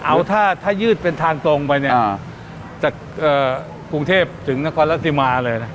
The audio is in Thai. เอาถ้ายืดเป็นทางตรงไปเนี่ยจากกรุงเทพถึงนครรัฐศิมาเลยนะ